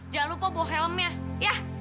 jangan lupa gue helmnya ya